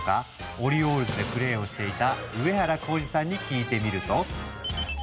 オリオールズでプレーをしていた上原浩治さんに聞いてみると。